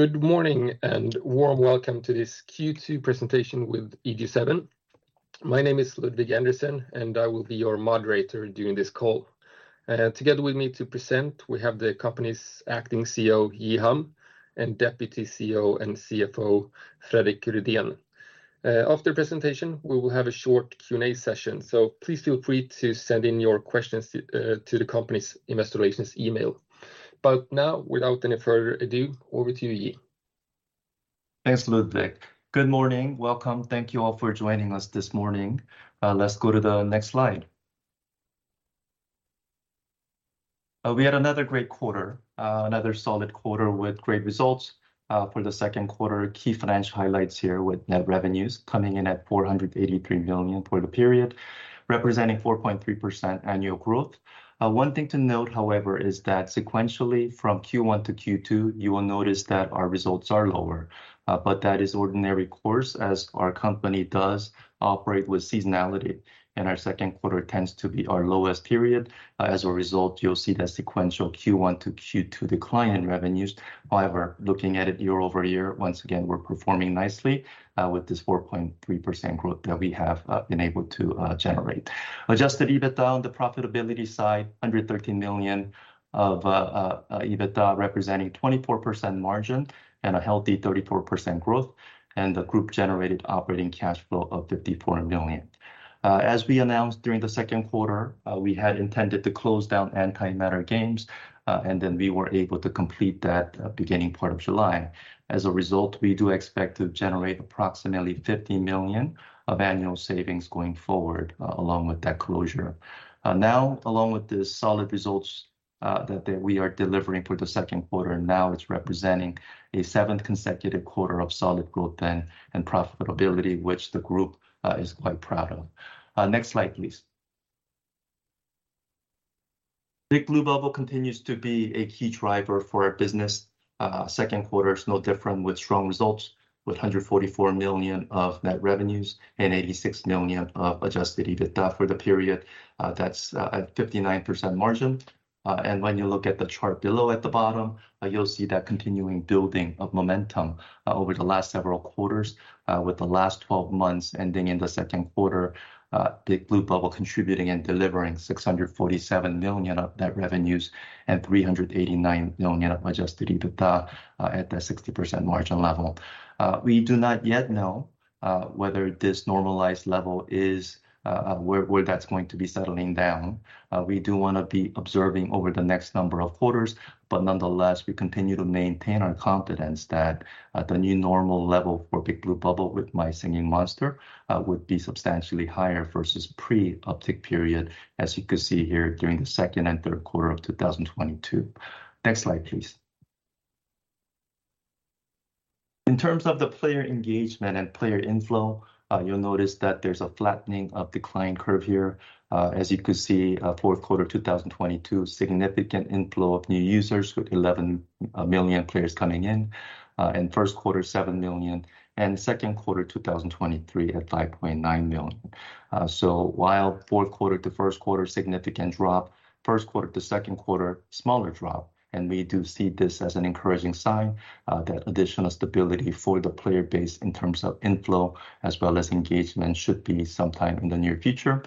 Good morning, warm welcome to this Q2 presentation with EG7. My name is Ludwig Anderson, I will be your moderator during this call. Together with me to present, we have the company's Acting CEO, Ji Ham, and Deputy CEO and CFO, Fredrik Rydén. After the presentation, we will have a short Q&A session. Please feel free to send in your questions to the company's investor relations email. Now, without any further ado, over to you, Ji. Thanks, Ludwig. Good morning. Welcome. Thank you all for joining us this morning. Let's go to the next slide. We had another great quarter, another solid quarter with great results. For the second quarter, key financial highlights here, with net revenues coming in at 483 million for the period, representing 4.3% annual growth. One thing to note, however, is that sequentially from Q1 to Q2, you will notice that our results are lower. That is ordinary course as our company does operate with seasonality, and our second quarter tends to be our lowest period. As a result, you'll see that sequential Q1 to Q2 decline in revenues. However, looking at it year-over-year, once again, we're performing nicely with this 4.3% growth that we have been able to generate. Adjusted EBITDA on the profitability side, 113 million of EBITDA, representing 24% margin and a healthy 34% growth. The group generated operating cash flow of 54 million. As we announced during the Q2, we had intended to close down Antimatter Games, and then we were able to complete that beginning part of July. As a result, we do expect to generate approximately 50 million of annual savings going forward along with that closure. Along with the solid results that we are delivering for the Q2, it's representing a 7th consecutive quarter of solid growth and profitability, which the group is quite proud of. Next slide, please. Big Blue Bubble continues to be a key driver for our business. Second quarter is no different, with strong results, with 144 million of net revenues and 86 million of Adjusted EBITDA for the period. That's at 59% margin. When you look at the chart below at the bottom, you'll see that continuing building of momentum over the last several quarters. With the last 12 months ending in the second quarter, Big Blue Bubble contributing and delivering 647 million of net revenues and 389 million of Adjusted EBITDA at the 60% margin level. We do not yet know whether this normalized level is where that's going to be settling down. We do wanna be observing over the next number of quarters, but nonetheless, we continue to maintain our confidence that the new normal level for Big Blue Bubble with My Singing Monsters would be substantially higher versus pre-uptick period, as you can see here during the second and third quarter of 2022. Next slide, please. In terms of the player engagement and player inflow, you'll notice that there's a flattening of decline curve here. As you can see, fourth quarter 2022, significant inflow of new users, with 11 million players coming in, and first quarter, 7 million, and second quarter 2023 at 5.9 million. While fourth quarter to first quarter, significant drop, first quarter to second quarter, smaller drop, we do see this as an encouraging sign that additional stability for the player base in terms of inflow as well as engagement should be sometime in the near future.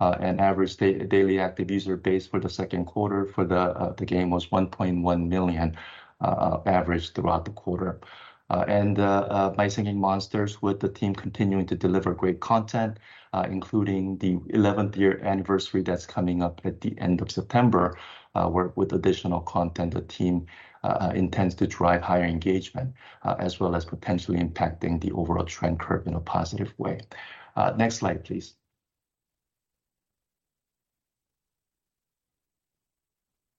Average daily active user base for the second quarter for the game was 1.1 million average throughout the quarter. My Singing Monsters, with the team continuing to deliver great content, including the 11th-year anniversary that's coming up at the end of September, work with additional content, the team intends to drive higher engagement as well as potentially impacting the overall trend curve in a positive way. Next slide, please.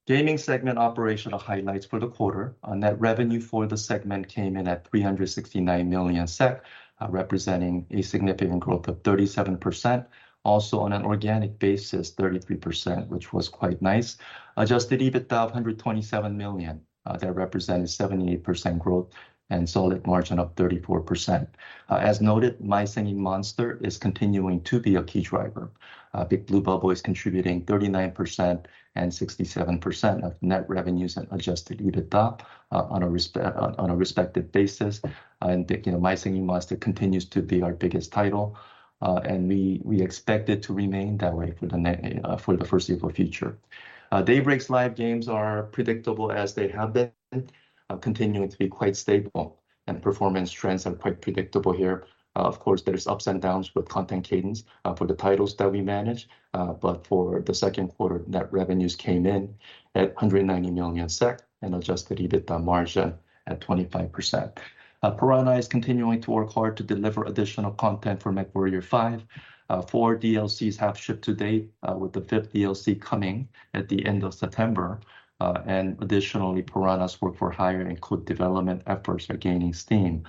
Gaming segment operational highlights for the quarter. On that revenue for the segment came in at 369 million SEK, representing a significant growth of 37%. On an organic basis, 33%, which was quite nice. Adjusted EBITDA of 127 million, that represented 78% growth and solid margin of 34%. As noted, My Singing Monsters is continuing to be a key driver. Big Blue Bubble is contributing 39% and 67% of net revenues and Adjusted EBITDA, on a respective basis. You know, My Singing Monsters continues to be our biggest title, and we expect it to remain that way for the foreseeable future. Daybreak's live games are predictable as they have been, continuing to be quite stable, and performance trends are quite predictable here. Of course, there's ups and downs with content cadence for the titles that we manage, but for the second quarter, net revenues came in at 190 million SEK and Adjusted EBITDA margin at 25%. Piranha is continuing to work hard to deliver additional content for MechWarrior 5. four DLCs have shipped to date, with the fifth DLC coming at the end of September. And additionally, Piranha's work for hire and co-development efforts are gaining steam,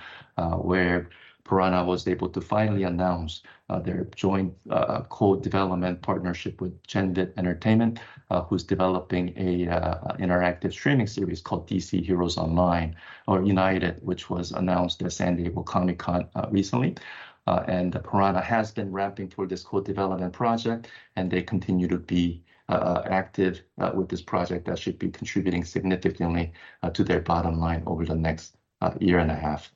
where Piranha was able to finally announce their joint co-development partnership with Genvid Entertainment, who's developing an interactive streaming series called DC Heroes United or United, which was announced at San Diego Comic-Con recently. And Piranha has been ramping for this co-development project, and they continue to be active with this project. That should be contributing significantly to their bottom line over the next year and a half.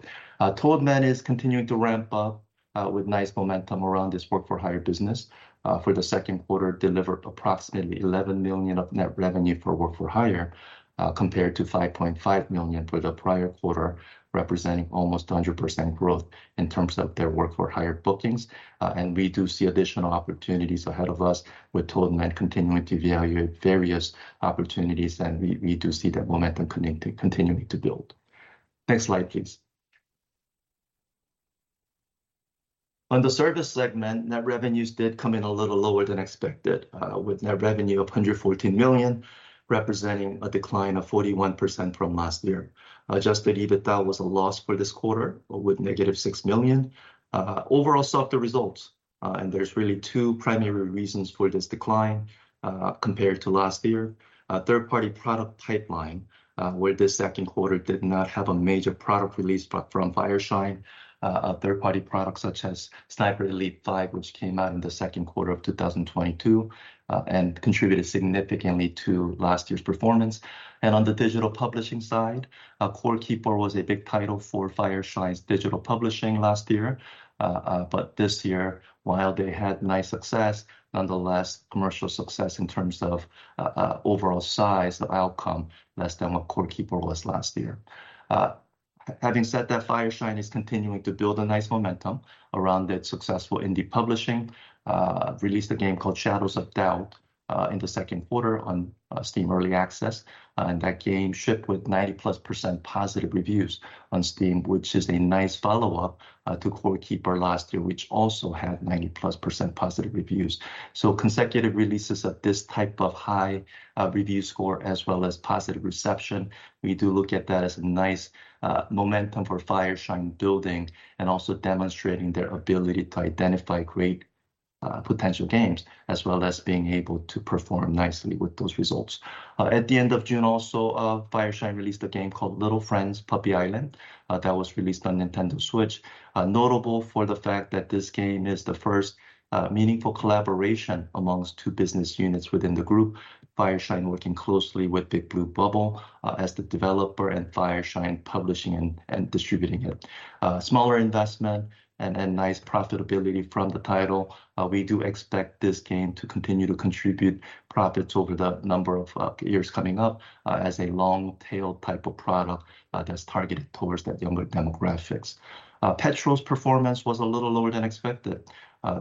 Toadman is continuing to ramp up with nice momentum around this work-for-hire business, for the second quarter delivered approximately 11 million of net revenue for work-for-hire, compared to 5.5 million for the prior quarter, representing almost 100% growth in terms of their work-for-hire bookings. We do see additional opportunities ahead of us. We're told and then continuing to evaluate various opportunities, and we, we do see that momentum continuing to build. Next slide, please. On the service segment, net revenues did come in a little lower than expected, with net revenue of 114 million, representing a decline of 41% from last year. Adjusted EBITDA was a loss for this quarter, with negative 6 million. Overall softer results, there's really two primary reasons for this decline compared to last year. Third-party product pipeline, where this second quarter did not have a major product release from Fireshine. A third-party product such as Sniper Elite 5, which came out in the second quarter of 2022, and contributed significantly to last year's performance. On the digital publishing side, Core Keeper was a big title for Fireshine's digital publishing last year. This year, while they had nice success, nonetheless, commercial success in terms of overall size, the outcome less than what Core Keeper was last year. Having said that, Fireshine is continuing to build a nice momentum around its successful indie publishing. Released a game called Shadows of Doubt, in the second quarter on Steam Early Access. That game shipped with 90+% positive reviews on Steam, which is a nice follow-up to Core Keeper last year, which also had 90+% positive reviews. Consecutive releases of this type of high review score, as well as positive reception, we do look at that as a nice momentum for Fireshine building and also demonstrating their ability to identify great potential games, as well as being able to perform nicely with those results. At the end of June, also, Fireshine released a game called Little Friends: Puppy Island, that was released on Nintendo Switch. Notable for the fact that this game is the first meaningful collaboration amongst two business units within the group. Fireshine working closely with Big Blue Bubble as the developer, and Fireshine publishing and, and distributing it. Smaller investment and, and nice profitability from the title. We do expect this game to continue to contribute profits over the number of years coming up as a long-tail type of product that's targeted towards the younger demographics. Petrol's performance was a little lower than expected.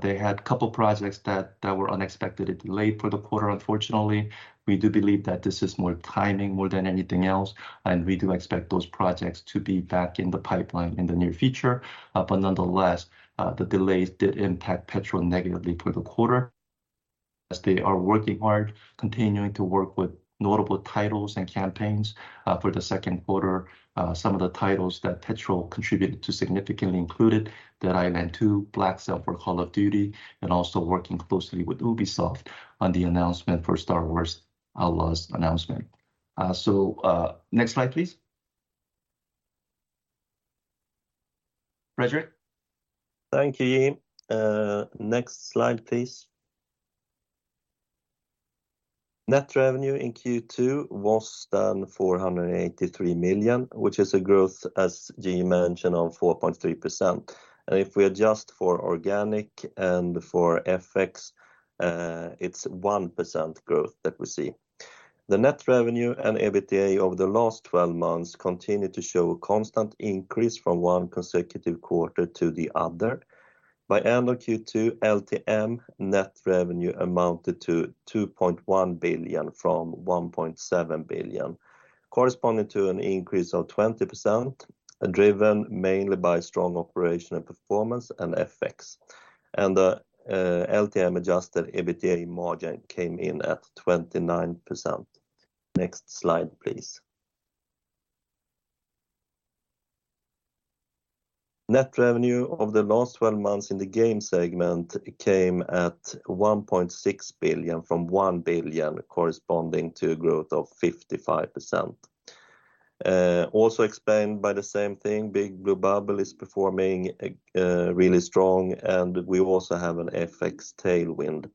They had a couple projects that, that were unexpectedly delayed for the quarter, unfortunately. We do believe that this is more timing more than anything else, and we do expect those projects to be back in the pipeline in the near future. Nonetheless, the delays did impact Petrol negatively for the quarter, as they are working hard, continuing to work with notable titles and campaigns. For the second quarter, some of the titles that Petrol contributed to significantly included Dead Island 2, BlackCell for Call of Duty, and also working closely with Ubisoft on the announcement for Star Wars Outlaws announcement. Next slide, please. Fredrik? Thank you, Yi. Next slide, please. Net revenue in Q2 was then 483 million, which is a growth, as Yi mentioned, of 4.3%. If we adjust for organic and for FX, it's 1% growth that we see. The net revenue and EBITDA over the last 12 months continued to show a constant increase from one consecutive quarter to the other. By end of Q2, LTM net revenue amounted to 2.1 billion from 1.7 billion, corresponding to an increase of 20%, driven mainly by strong operational performance and FX. The LTM-adjusted EBITDA margin came in at 29%. Next slide, please. Net revenue of the last 12 months in the game segment came at 1.6 billion, from 1 billion, corresponding to a growth of 55%. Also explained by the same thing, Big Blue Bubble is performing really strong, and we also have an FX tailwind.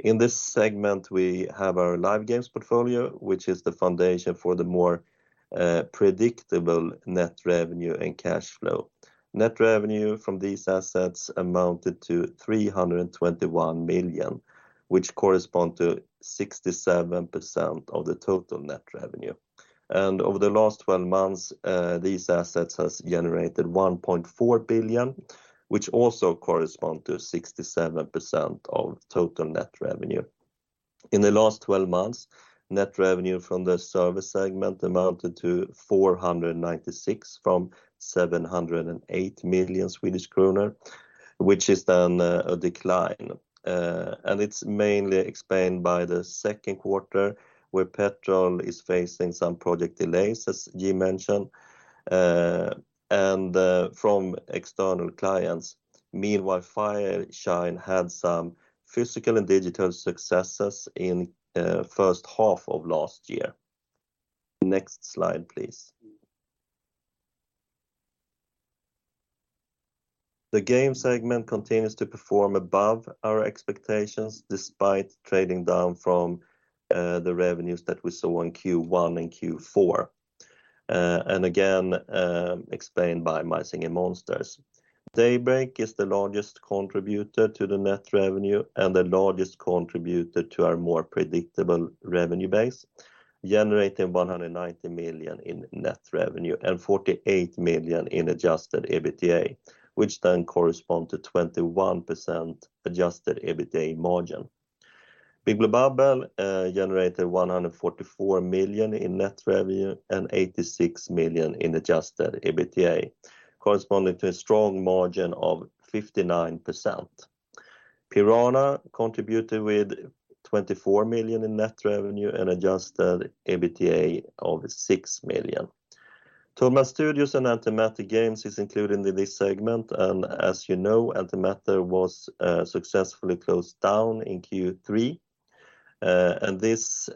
In this segment, we have our live games portfolio, which is the foundation for the more predictable net revenue and cash flow. Net revenue from these assets amounted to 321 million, which correspond to 67% of the total net revenue. Over the last twelve months, these assets has generated 1.4 billion, which also correspond to 67% of total net revenue. In the last twelve months, net revenue from the service segment amounted to 496 million from 708 million Swedish kronor, which is then a decline. It's mainly explained by the second quarter, where Petrol is facing some project delays, as Yi mentioned, from external clients. Meanwhile, Fireshine had some physical and digital successes in the first half of last year. Next slide, please. The game segment continues to perform above our expectations, despite trading down from the revenues that we saw in Q1 and Q4. Explained by My Singing Monsters. Daybreak is the largest contributor to the net revenue and the largest contributor to our more predictable revenue base, generating 190 million in net revenue and 48 million in Adjusted EBITDA, which then correspond to a 21% Adjusted EBITDA margin. Big Blue Bubble generated 144 million in net revenue and 86 million in Adjusted EBITDA, corresponding to a strong margin of 59%. Piranha contributed with 24 million in net revenue and Adjusted EBITDA of 6 million. Toadman Studios and Antimatter Games is included in this segment, as you know, Altametta was successfully closed down in Q3. This,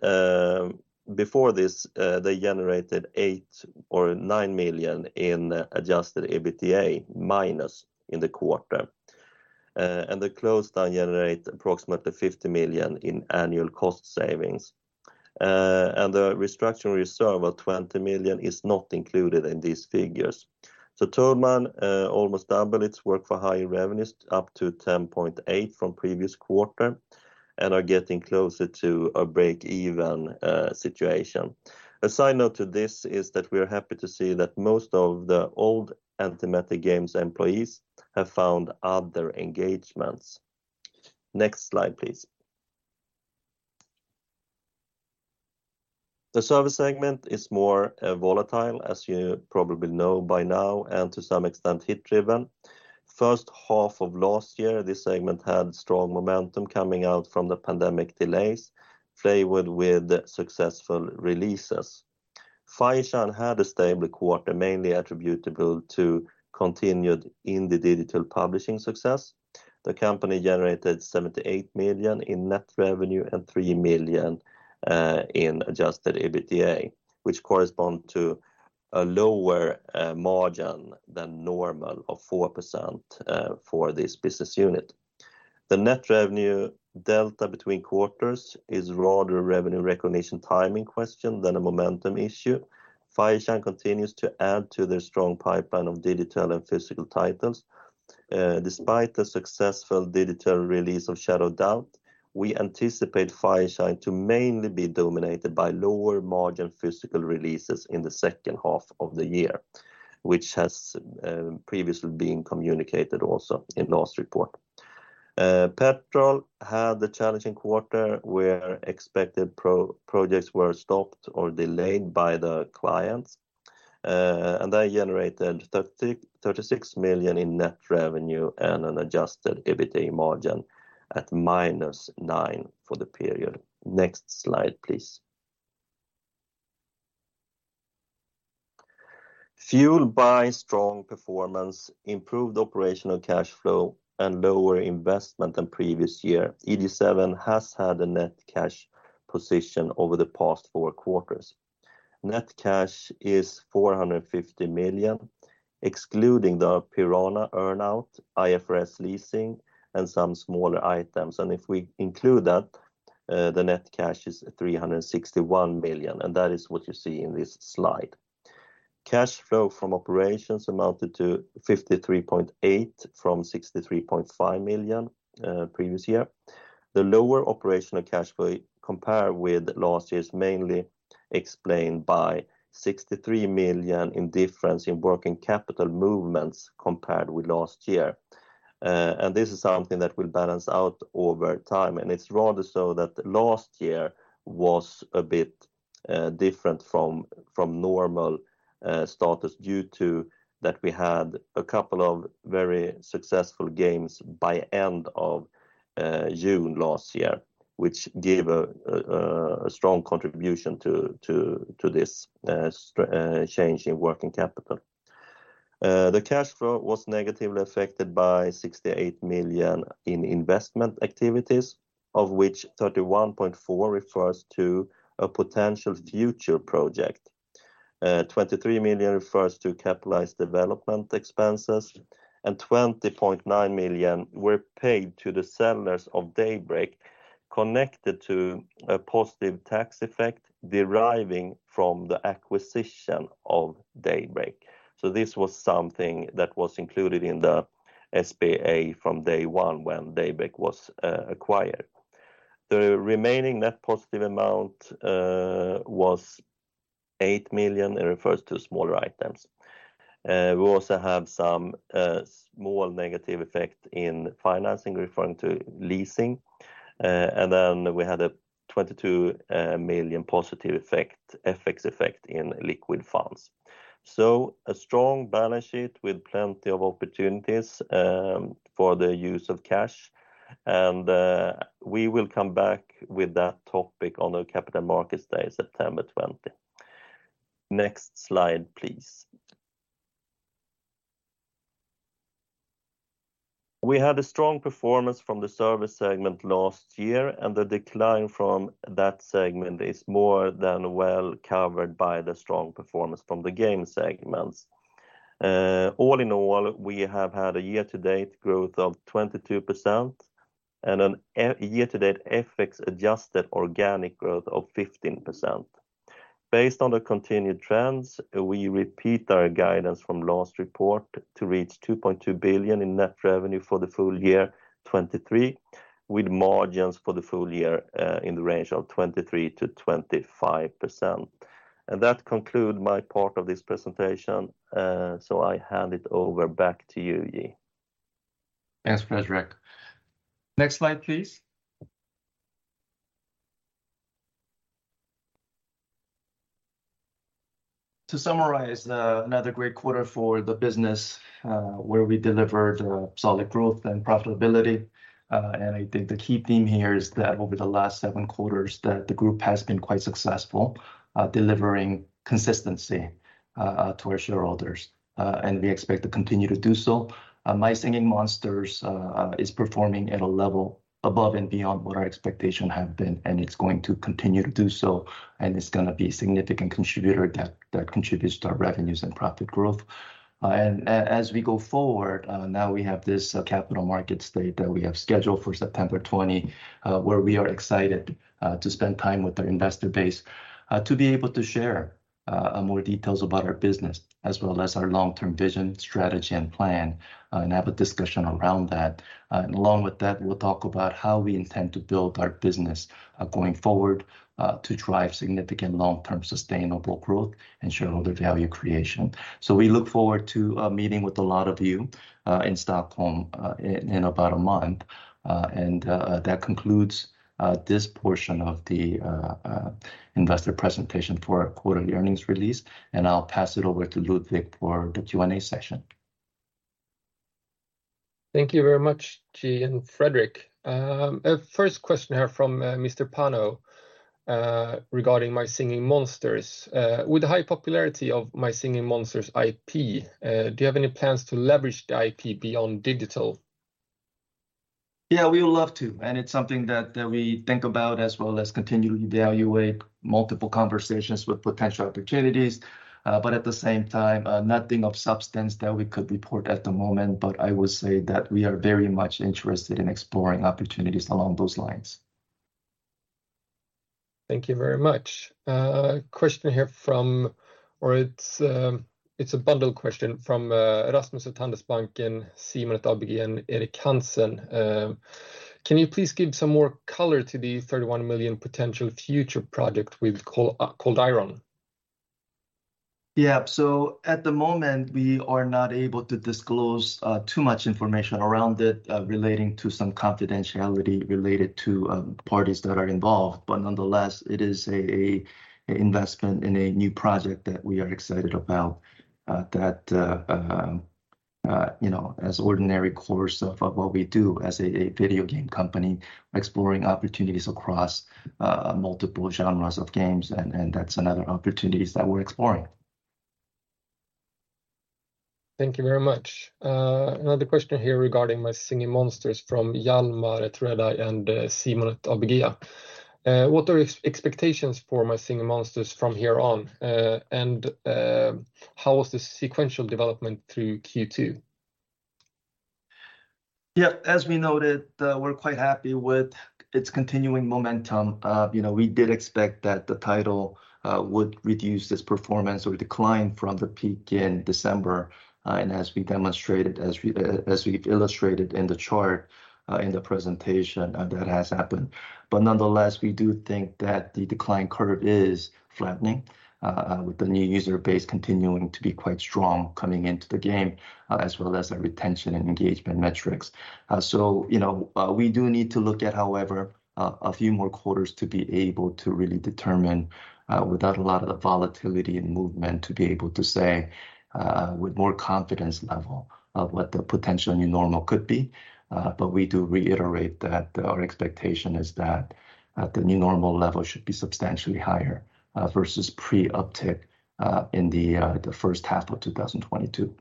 before this, they generated 8 million or 9 million in Adjusted EBITDA, minus in the quarter. The close down generate approximately 50 million in annual cost savings. The restructuring reserve of 20 million is not included in these figures. Toadman almost doubled its work for high revenues, up to 10.8 million from previous quarter and are getting closer to a break-even situation. A side note to this is that we are happy to see that most of the old Antimatter Games employees have found other engagements. Next slide, please. The service segment is more volatile, as you probably know by now, to some extent, hit-driven. First half of last year, this segment had strong momentum coming out from the pandemic delays, flavored with successful releases. Fireshine had a stable quarter, mainly attributable to continued in the digital publishing success. The company generated 78 million in net revenue and 3 million in Adjusted EBITDA, which correspond to a lower margin than normal of 4% for this business unit. The net revenue delta between quarters is rather a revenue recognition timing question than a momentum issue. Fireshine continues to add to their strong pipeline of digital and physical titles. Despite the successful digital release of Shadows of Doubt, we anticipate Fireshine to mainly be dominated by lower margin physical releases in the second half of the year, which has previously been communicated also in last report. Petrol had a challenging quarter, where expected projects were stopped or delayed by the clients, and they generated 36 million in net revenue and an Adjusted EBITDA margin at -9% for the period. Next slide, please. Fueled by strong performance, improved operational cash flow, and lower investment than previous year, EG7 has had a net cash position over the past four quarters. Net cash is 450 million, excluding the Piranha earn-out, IFRS leasing, and some smaller items. If we include that, the net cash is 361 million, and that is what you see in this slide. Cash flow from operations amounted to 53.8 million from 63.5 million previous year. The lower operational cash flow compared with last year's mainly explained by 63 million in difference in working capital movements compared with last year. This is something that will balance out over time, and it's rather so that last year was a bit different from, from normal status due to that we had a couple of very successful games by end of June last year, which gave a strong contribution to, to, to this change in working capital. The cash flow was negatively affected by 68 million in investment activities, of which 31.4 refers to a potential future project. 23 million refers to capitalized development expenses, and 20.9 million were paid to the sellers of Daybreak, connected to a positive tax effect deriving from the acquisition of Daybreak. This was something that was included in the SPA from day one when Daybreak was acquired. The remaining net positive amount was 8 million. It refers to smaller items. We also have some small negative effect in financing, referring to leasing. We had a 22 million positive effect, FX effect in liquid funds. A strong balance sheet with plenty of opportunities for the use of cash, and we will come back with that topic on the Capital Markets Day, September 20th. Next slide, please. We had a strong performance from the service segment last year, and the decline from that segment is more than well covered by the strong performance from the game segments. All in all, we have had a year-to-date growth of 22% and a year-to-date FX adjusted organic growth of 15%. Based on the continued trends, we repeat our guidance from last report to reach 2.2 billion in net revenue for the full year 2023, with margins for the full year, in the range of 23%-25%. That conclude my part of this presentation, so I hand it over back to you, Ji. Thanks, Fredrik. Next slide, please. To summarize, another great quarter for the business, where we delivered solid growth and profitability. I think the key theme here is that over the last seven quarters, that the group has been quite successful, delivering consistency to our shareholders, and we expect to continue to do so. My Singing Monsters is performing at a level above and beyond what our expectation have been, and it's going to continue to do so, and it's gonna be a significant contributor that, that contributes to our revenues and profit growth. As we go forward, now we have this Capital Markets Day that we have scheduled for September 20, where we are excited to spend time with our investor base to be able to share more details about our business as well as our long-term vision, strategy, and plan and have a discussion around that. Along with that, we'll talk about how we intend to build our business going forward to drive significant long-term sustainable growth and shareholder value creation. We look forward to meeting with a lot of you in Stockholm in about 1 month. That concludes this portion of the investor presentation for our quarterly earnings release, and I'll pass it over to Ludwig for the Q&A session. Thank you very much, Ji Ham and Fredrik Rydén. Our first question here from Pano, regarding My Singing Monsters: "With the high popularity of My Singing Monsters IP, do you have any plans to leverage the IP beyond digital? Yeah, we would love to, and it's something that, that we think about as well as continually evaluate multiple conversations with potential opportunities. At the same time, nothing of substance that we could report at the moment, but I would say that we are very much interested in exploring opportunities along those lines. Thank you very much. Question here from-- or it's, it's a bundle question from Rasmus at Handelsbanken, Simon at ABG, and Eric Hansen. "Can you please give some more color to the 31 million potential future project with Cold Iron? Yeah. At the moment, we are not able to disclose too much information around it, relating to some confidentiality related to parties that are involved. Nonetheless, it is a investment in a new project that we are excited about, you know, as ordinary course of what we do as a video game company, exploring opportunities across multiple genres of games, and that's another opportunities that we're exploring. Thank you very much. Another question here regarding My Singing Monsters from Hjalmar at Redeye and Simon at ABG: "What are expectations for My Singing Monsters from here on, and how was the sequential development through Q2? As we noted, we're quite happy with its continuing momentum. You know, we did expect that the title would reduce this performance or decline from the peak in December, as we demonstrated, as we've illustrated in the chart, in the presentation, that has happened. Nonetheless, we do think that the decline curve is flattening with the new user base continuing to be quite strong coming into the game, as well as our retention and engagement metrics. You know, we do need to look at, however, a few more quarters to be able to really determine, without a lot of the volatility and movement, to be able to say with more confidence level of what the potential new normal could be. We do reiterate that our expectation is that the new normal level should be substantially higher versus pre-uptick in the first half of 2022.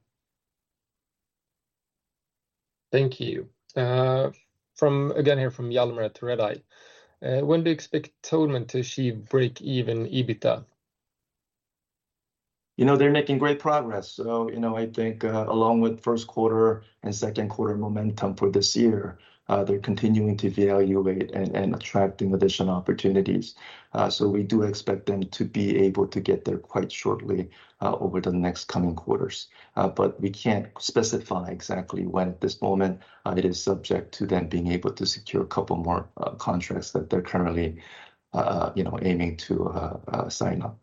Thank you. From, again, here from Hjalmar at Redeye: "When do you expect Toadman to achieve break-even EBITDA? You know, they're making great progress. You know, I think, along with first quarter and second quarter momentum for this year, they're continuing to evaluate and, and attracting additional opportunities. We do expect them to be able to get there quite shortly, over the next coming quarters. We can't specify exactly when at this moment. It is subject to them being able to secure a couple more, contracts that they're currently, you know, aiming to, sign on.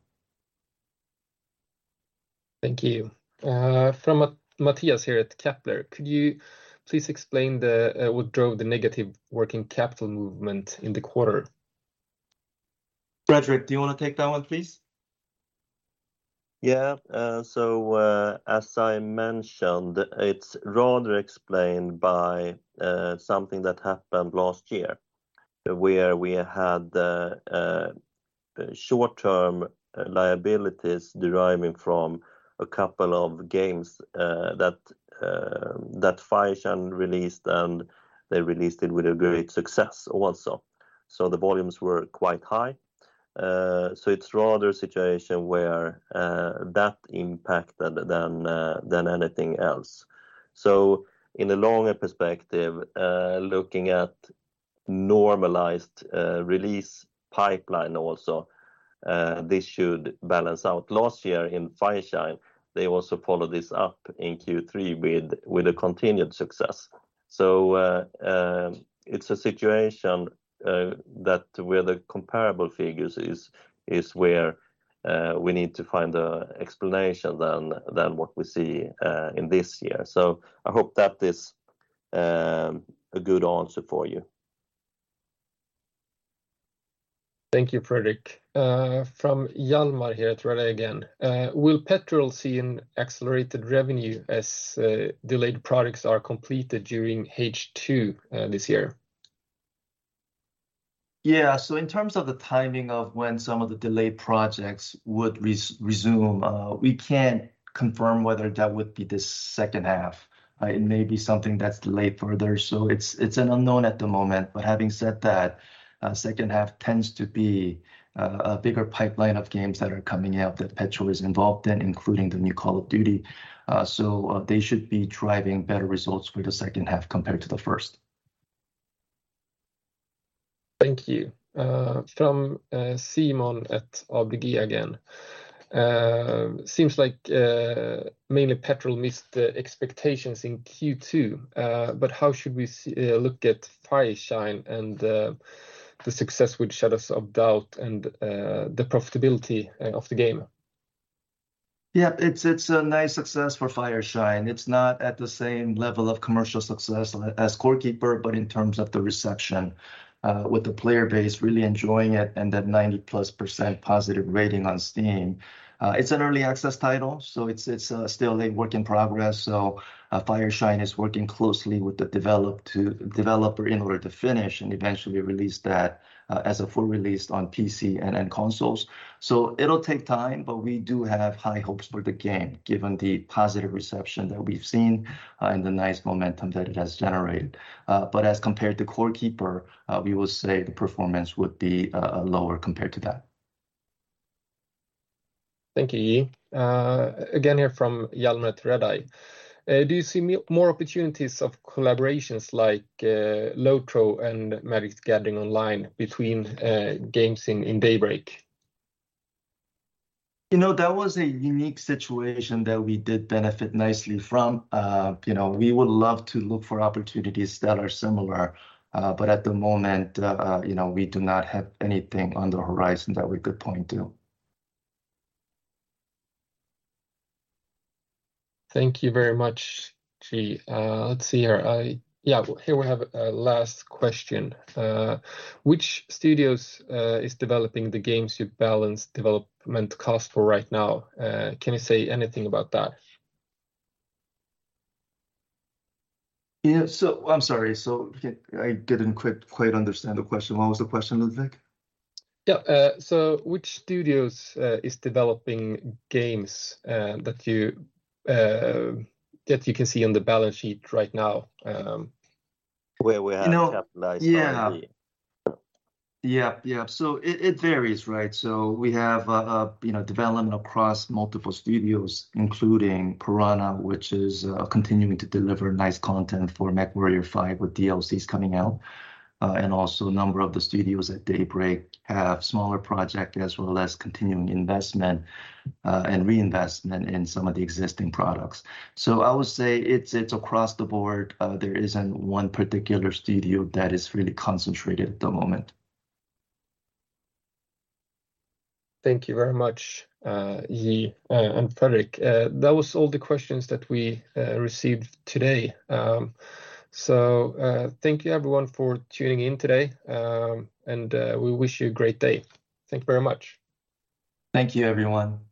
Thank you. From Matthias here at Kepler: "Could you please explain the what drove the negative working capital movement in the quarter? Fredrik, do you wanna take that one, please? Yeah. As I mentioned, it's rather explained by something that happened last year, where we had short-term liabilities deriving from a couple of games that that Fireshine released, and they released it with a great success also. The volumes were quite high. It's rather a situation where that impacted than than anything else. In the longer perspective, looking at normalized release pipeline also, this should balance out. Last year in Fireshine, they also followed this up in Q3 with, with a continued success. It's a situation that where the comparable figures is, is where we need to find the explanation than than what we see in this year. I hope that is a good answer for you. Thank you, Fredrik. From Hjalmar here at Redeye again. Will Petrol see an accelerated revenue as delayed products are completed during H2, this year? Yeah. In terms of the timing of when some of the delayed projects would resume, we can't confirm whether that would be the second half. It may be something that's delayed further, so it's, it's an unknown at the moment. Having said that, second half tends to be a bigger pipeline of games that are coming out that Petrol is involved in, including the new Call of Duty. They should be driving better results for the second half compared to the first. Thank you. From Simon at ABG again. Seems like mainly Petrol missed the expectations in Q2. How should we look at Fireshine and the success with Shadows of Doubt and the profitability of the game? Yeah, it's, it's a nice success for Fireshine. It's not at the same level of commercial success as Core Keeper, in terms of the reception, with the player base really enjoying it and that 90+% positive rating on Steam. It's an early access title, it's still a work in progress. Fireshine is working closely with the developer in order to finish and eventually release that as a full release on PC and consoles. It'll take time, we do have high hopes for the game, given the positive reception that we've seen and the nice momentum that it has generated. As compared to Core Keeper, we will say the performance would be lower compared to that. Thank you, Yi. Again, here from Hjalmar at Redeye. Do you see more opportunities of collaborations like LOTRO and Magic: The Gathering Online between games in Daybreak? You know, that was a unique situation that we did benefit nicely from. You know, we would love to look for opportunities that are similar, but at the moment, you know, we do not have anything on the horizon that we could point to. Thank you very much, Yi. Let's see here. Here we have a last question. Which studios is developing the games you balance development cost for right now? Can you say anything about that? Yeah. I'm sorry, so I didn't quite, quite understand the question. What was the question, Ludwig? Yeah, which studios is developing games that you that you can see on the balance sheet right now? Where we have capitalized already. Yeah. Yeah, yeah. It, it varies, right? We have, you know, development across multiple studios, including Piranha, which is continuing to deliver nice content for MechWarrior 5 with DLCs coming out. Also a number of the studios at Daybreak have smaller project as well as continuing investment and reinvestment in some of the existing products. I would say it's, it's across the board. There isn't one particular studio that is really concentrated at the moment. Thank you very much, Yi, and Fredrik. That was all the questions that we received today. Thank you everyone for tuning in today, and we wish you a great day. Thank you very much. Thank you, everyone.